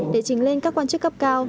để trình lên các quan chức cấp cao